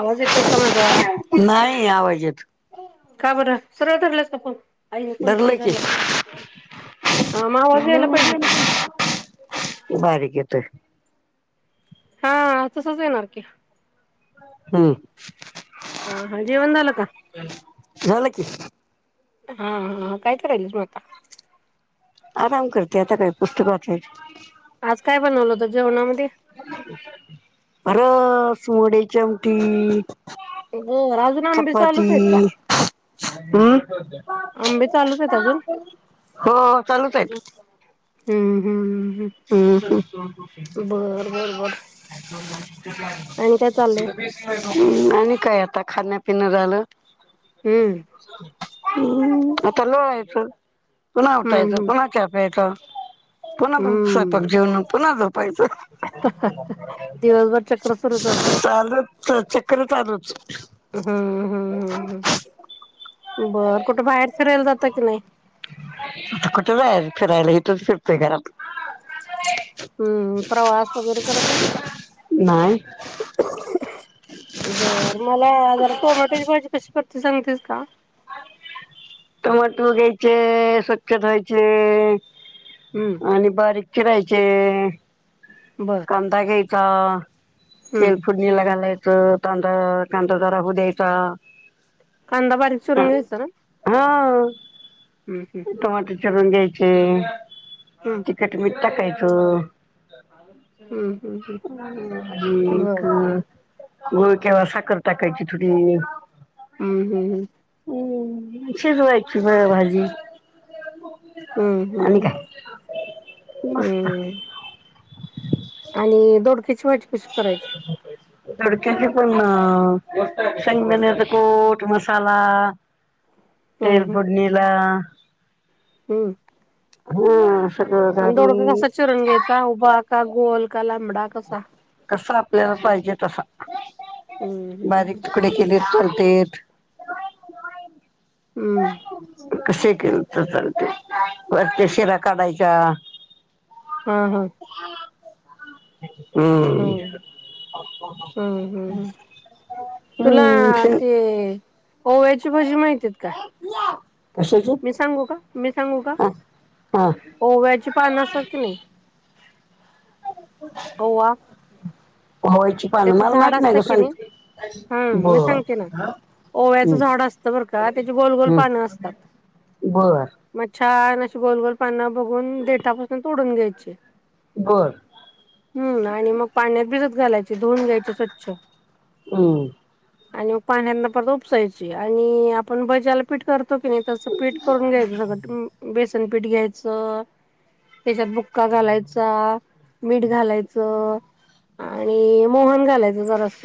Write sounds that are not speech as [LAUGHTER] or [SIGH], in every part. आवाज येतोय का? माझा नाही आवाज येत का बर? सरळ धरलास ना फोन. अ धरलं की मग आवाज यायला पाहिजे कि. बाारीक येतोय. हां तसच येणार की हम्म ह हां जेवन झाल का? झालं की. हा हां काय करायलीस मग? आराम करते आता काय पुस्तक वाचायचय. आज काय बनवल होत जेवणामध्ये? रस वड्याची आमटी. बर आजुक. चपाती हम्म आंबे चालूच आहेत अजून? हो चालूचय. हम्म हम् हम् हम् हम्म हम्म. बर बर आणि काय चाललंय? आणि काय आता खान पिन झाल. हम्म हम्म आता लोळायच पुन्हा उठयच हम्म हम्म पुन्हा चहा प्यायचा. पुन्हा स्वयंपाक हम्म जेवण पुन्हा झोपायच. दिवसभर चक्र सुरूच असतय. तर चक्र चालूच. हम्म हम्म हम्म बर कुठ बाहेर फिरायला जाता की नाही? कुठ जायाच फिरायला इथच फिरतोय घरात. ह् [INAUDIBLE] हम्म प्रवास वगैरे करत नाही? नाही बर मला जरा टोमॅटोची भाजी कशी करते सांगतेस का? टोमॅटो घायचे स्वच्छ धुवायचे. हम्म आणि बारीक चीरायचे. बर कांदा घ्यायचा हम्म तेल. फोडणीला घालायचं कांद कांदा जरा होऊ द्यायचा. कांदा बारीक चिरून घ्यायचा ना? हां हम् हम्म टोमॅटो चिरून घ्यायचे. हम्म तिखट मीठ टाकायचं. हम्म हम्म हम्म [UNINTELLIGIBLE] हम्म बर गूळ किंव्हा साखर टाकायची थोडी. हम् हम्म हम ती शीजवायची जरा वेळ भाजी. हम्म आणि हम्म हम् काय मस्त हम्म आणि दोडक्याची भाजी कशी करायची? [UNINTELLIGIBLE] दोडक्याची पण शेंगदाण्याच कुट मसाला. हम्म तेल हम्म फोडणीला. हम्म हां आणि दोडका कसा चिरूण घ्यायचा उभा का गोल का लांबडा कसा? कसा आपल्याला पाहिजे तसा हम्म हम्म बारीक तुकडे केले तरी चालतेत. हम्म कसही केल तरी चालते वरच्या शिरा काढायचा. हा हम्म हम्म हम्म हम् तुला ते ओव्याची भाजी माहितीत काय? कशाची मी सांगू का मी सांगू का हा हा ओव्याची पान असतात की नाही. ओवा. ओव्याची पान त्याचं मला झाड माहीत नाही असतं ग की सांगते बरं ओव्याच झाड असत बर का त्याची गोल गोल हम्म पान असतात. बर मग छान अशी गोल गोल पान बघून देठापासून तोडून घ्यायची. बर हम्म आणि मग पाण्यात भिजत घालायची. ती धुऊन घ्यायची स्वच्छ. हम्म आणि पाण्याना परत उपसायची आणि आपण भजाला पीठ करतो की नाही. तस पीठ करून घ्यायच सगळ बेसन पीठ घ्यायच. त्याच्यात बुक्का घालायचा मीठ घालायच. आणि मोहन घालायच जरास.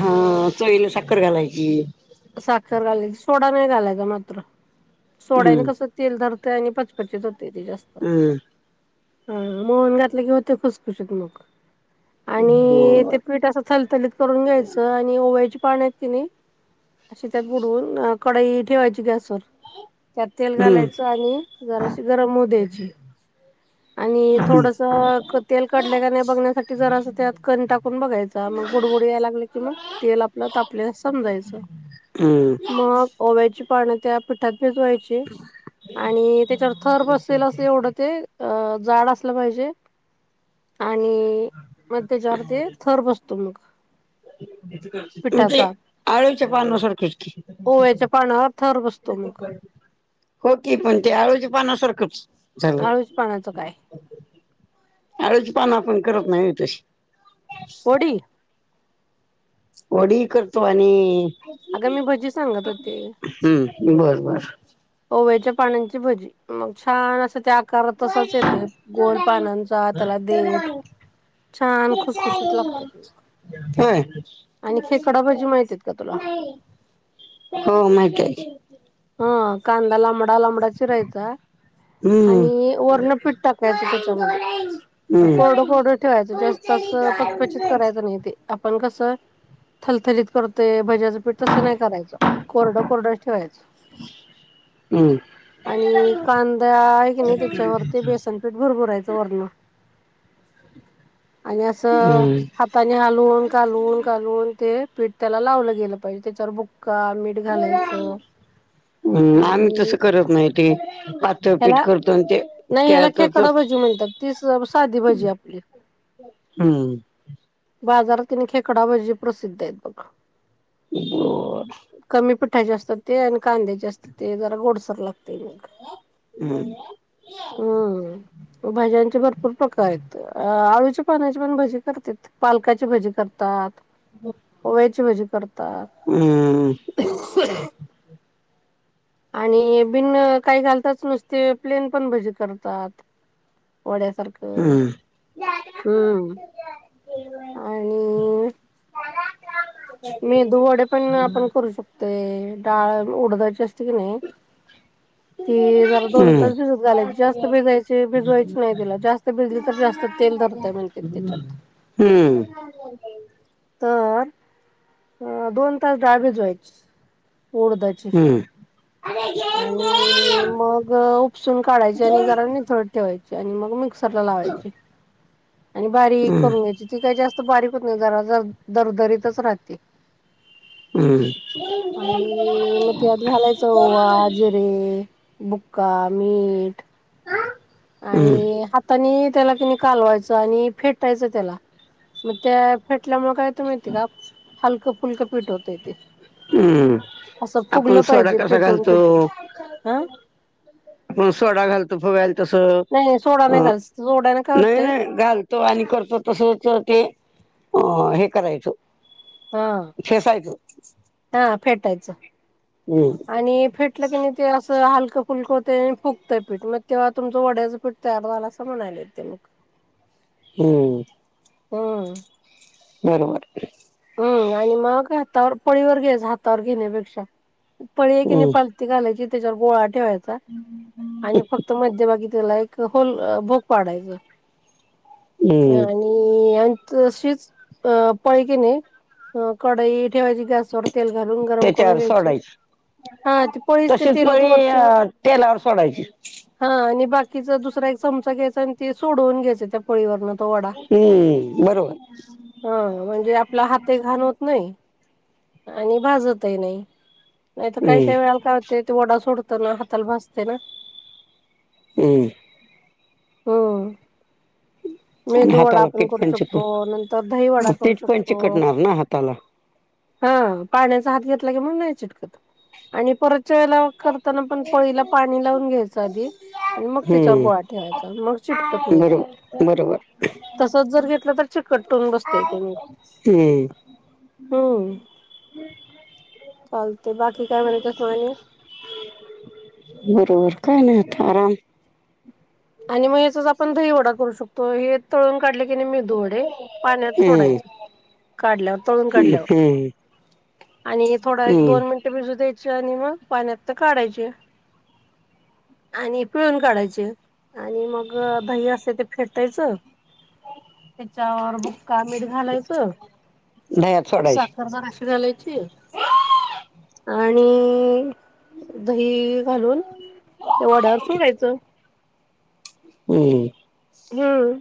हा चवीनुसार साखर घालायची. साखर घालायची सोडा नाही घालायचा मात्र हम्म सोड्यानी कस तेल धरतय आणि पचपचीत होतय ते जास्त. हम्म हम्म मोहन घातलं की मग ते खुसखुशत मग आणि ते बर पीठ असं थलथलीत करून घ्यायच आणि ओव्याची पाणी आहेत की नाही. अशी त्यात बुडवून कढई ठेवायची गॅसवर. त्यात तेल हम्म घालायच आणि जराशी गरम होऊ द्यायची. [INAUDIBLE] आणि हम्म थोडस तेल कढलय का नाही बघण्यासाठी जरास त्यात कण टाकून बघायच. मग बुडबुडी यायला लागले कि मग तेल आपल्या तापलेला समजायच. हम्म मग ओव्याची पान त्या पिठात भिजवायची. आणि त्याच्यावर थर बसलेल अस एवढं ते अ जाड असल पाहिजे. आणि मग त्याच्यावरती थर बसतो मग. म्हणजे पिठाचा आळूच्या पानसारखेच. ओव्याच्या पानावर थर बसतो मग. हो की पण ते आळूची पानासारखंच. झालं. अळूच्या पानाचं काय? आळची पान आपण करत नाही व्हय तशी? वडी. वडी करतो आणि अगं मी भजी सांगत होते. हम्म बर बर. ओव्याच्या पाण्याची भजी मग छान असं त्या कर तसाच येते गोल पानांचा त्याला देट. छान खुसखुशीत लागते. होय आणि खेकडा भाजी माहितीत का [UNINTELLIGIBLE] तुला नाही. हो माहती आहे की. ह कांदा लांबडा-लांबडा चीरायचा. [INAUDIBLE] आणि वरन पीठ टाकायचं त्याच्यामध्ये हम्म कोरडं-कोरडं ठेवायचं जास्त तसं पचपचीत करायचं नाही ते आपण कसं थलथलीत करते भज्याचं पीठ तसं नाही करायचं कोरडं-कोरडं ठेवायचं. हम्म. आणि कांदा आहे की नाही त्याच्यावरती बेसनपीठ भरभुरायचं वरन. आणि असं हम्म हातांनी हालवून, कालवून-कालवून ते पीठ त्याला लावलं गेलं पाहिजे त्याच्यावर बुक्का, मीठ, - ते घालायचं. हम्म आम्ही आणि तसं करत नाही ते पातळपीठ ह्याला करतो आणि ते. नाही ह्याला त्यातच खेकडा भजी म्हणतात तीच साधी भजी आपली. [INAUDIBLE] हम्म बाजारातील खेकडा भजी प्रसिद्ध आहेत बघा. बर [INAUDIBLE] कमी पिठाचे असतात. ते आणि कांद्याचे असते ते जरा गोडसर लागतय मग. हम्. [UNINTELLIGIBLE] हम्म भाज्यांचे भरपूर प्रकार आहेत. आळूच्या पानाची पण भजी करतात. पालकाची भजी करतात. ओव्याची भजी करतात. हम्म [UNINTELLIGIBLE] आणि बिन काही घालतच नुसते प्लेन पण भजी करतात. वड्यासारखं हम्म हम्, आणि मेंदू वडे पण आपण करू शकतो. ते डाळ उडदाची असते की नाही ती जरा दोनं हम्म तास भिजत झालायची जास्त भिजायची, भिजवायची नाही त्याला जास्त भिजली तर जास्त तेल धरत म्हण त्याच्यात. हम्म. [UNINTELLIGIBLE] तर, अ दोन तास डाळ भिजवायची उडदाची. हम्म. [INAUDIBLE] आणि मग उपसून काढायची आणि जरा नितळत ठेवायची आणि मग मिक्स मिक्सरला लावायची, आणि बारीक हम्म करून घ्यायची ती काय जास्त बारीक होत नाही जरा ज दरदरीतच राहते. हम्. आणि मग त्यात घालायचं बाजरे, बुक्का, मीठ हम्म आणि ह हातांनी त्याला क णी कालवायचं आणि फेटायचं त्याला मग त्या फेटल्यामुळे काय माहिती का हलक फुलक पीठ होतय ते. हम्म अस आपण फुगल सोडा पाहिजे कसा फेटून घालतो फेटून हां आपण सोडा घालतो फुगायला तस नाही नाही सोडा नाही अ घाल सोड्याने काय नाही होतय नाही घाल. तो आणि करतो तसच ते हे करायच. हां हा फेटायच. हम्म आणि फेटल की नाही ते अस हलक फुलक होतय फुगतय पीठ मग तेव्हा तुमच वड्याच पीठ. जारवाला असं म्हणालय ते. हम्म हम्म बरोबर हम्म आणि मग हातावर पळीवर घ्यायच हातावर घेण्यापेक्षा पळी आहे की नाही हम्म पालथी घालायची त्याच्यावर गोळा ठेवायचा आणि फक्त मध्य भागी त्याला एक होल भोक पाडायच हम्म आणि आणि तशीच पळी की नाही ह कढई ठेवायची गॅसवर तेल घालून गरम करून त्याच्यावर घ्यायची. सोडायची हा ती पळीच तशीच तेलात पळी वरचावर. तेलावर सोडायची हा आणि बाकीचा दुसरा एक चमचा घ्यायचा आणि ते सोडवून घ्यायच त्या पळीवरण तो [UNINTELLIGIBLE] हम्म बरोबर हां म्हणजे आपला हातही गहान होत नाही आणि भाजतही नाही. नाही तर काही हम्म काही वेळाला काय होते ते वडा सोडताना हाताला भाजते ना. हम्म हम्म आणि मेंदू वडा हाताला आपण पीठ करू पण शकतो नंतर दही वडा करू शक कटणार ना हाताला हं पाण्याचा हात घेतला की मग नाही चिकटत आणि परतच्या वेळेला करताना पण पळीला पाणी लावून घ्यायच आधी. आणि मग तिच्यावर हम्म गोळा ठेवायचा मग चिटकत नाही ते. बरोबर बरोबर तसच जर घेतल तर चिकटून बसतय तेे मग. हम्म हम्म चालतय बाकी काय म्हणतेस मघ आणिक? बरोबर काही नाही आता आराम. आणि मग याचाच आपण दही वडा करू शकतो हे तळून काढल की ते मेंदू वडे पाण्यात हम्म सोडायचे काढल्यावर तळून हम्म काढल्यावर. हम्म आणि थोडा एक हम्म दोन मिनिट भिजू द्यायचे आणि मग पाण्यातण काढायचे. आणि पिळून काढायचे. आणि मग दही असते ते फेटायच त्याच्यावर मग काळ मीठ घालायच दह्यात सोडायची साखर जराशी घालायची. आणि दही घालून त्या वाड्यावर सोडायच. हम्म हम्म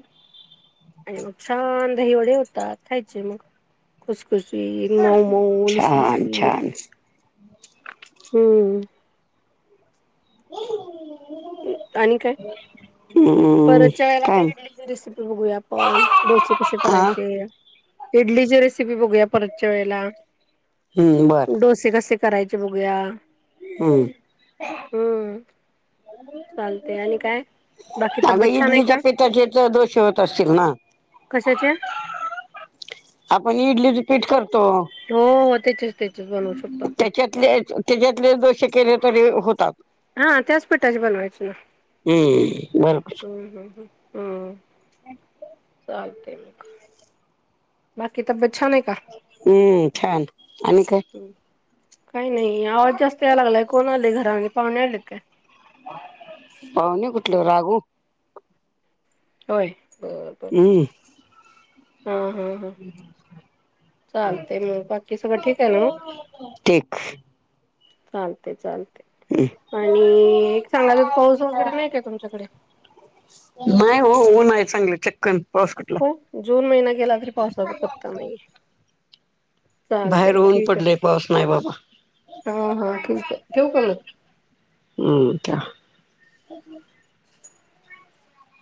आणि मग छान दहीवडे होतात खायचे मग. खुसखुशीत मऊमऊ छान लुसलुशीत. छान हूं! [INAUDIBLE] आणि काय? हम्म परतच्या वेळेला आता काय इडलीची रेसिपी बघूया आपण, डोसे कसे हा करायचे. इडलीची रेसिपी बघूया परतच्या वेळेला. हम्म बर डोसे कसे करायचे बघूया. हूं! हूं! चालतय आणि काय बाकी अगं तब्येत छान आहे इडलीच्या का? पिठाचे तर दोषे होत असतील ना कशाचे. आपण इडली च पीठ करतो. हो त्याचेच, त्याचेच बनवू फक्त आपण. त्याच्यातले त्याच्यातले दोशें केले तरी होतात. हां त्याच पीठाचे बनवायचे. हूं बोला. हूं हूं हूं चालतय म. बाकी तब्बेत छान आहे का. हूं छान आणि काय. हम्म. काही नाही आवाज जास्त यायला लागलाय कोण आले घरामध्ये पाहुणे आले काय? पाहूंणे कुठले रागू. होय ब ब हम्म ह ह! [INAUDIBLE] चालतय म बाकी सगळं ठीक आहे ना म. ठीक चालतय चालतय आणि एक सांगालाच पाऊस वगैरे नाही का तुमच्याकडे? नाही ओ ऊन आहे चांगलं चक्कन. पाऊस कुठला हो जून महिना गेला तरी पावसाचा पत्ता नाही. चालतय बाहेर म ऊन ठीक आहे, पडलंय पाऊस नाही बाबा हा हा ठीक आहे ठेऊ का म. हूं त्या.